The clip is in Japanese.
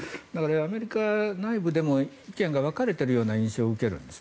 アメリカ内部でも意見が分かれているような印象を受けるんです。